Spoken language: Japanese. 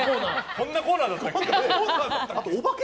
こんなコーナーだったっけ？